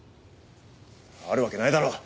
あるわけないだろう。